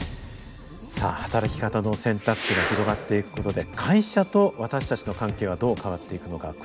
さあ働き方の選択肢が広がっていくことで会社と私たちの関係はどう変わっていくのか。